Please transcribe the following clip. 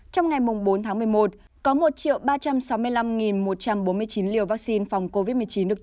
trong ngày bốn tháng một mươi một có một ba trăm sáu mươi năm một trăm bốn mươi chín liều vaccine phòng covid một mươi chín